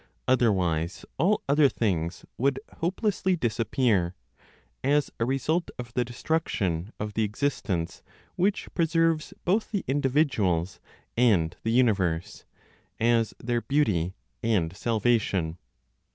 Otherwise, all other things would hopelessly disappear, as a result of the destruction of the existence which preserves both the individuals and the universe, as their beauty and salvation.